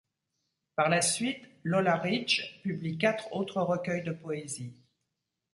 Par la suite, Lola Ridge publie quatre autres recueils de poésie.